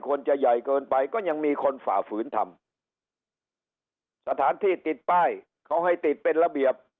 คนจะใหญ่เกินไปก็ยังมีคนฝ่าฝืนทำสถานที่ติดป้ายเขาให้ติดเป็นระเบียบ